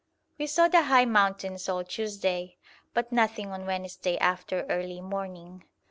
We saw the high mountains all Tuesday, but nothing on Wednesday after early morning.